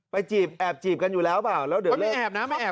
จีบแอบจีบกันอยู่แล้วเปล่าแล้วเดี๋ยวไม่แอบนะไม่แอบ